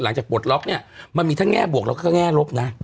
ปลดล็อกเนี่ยมันมีทั้งแง่บวกแล้วก็แง่ลบนะ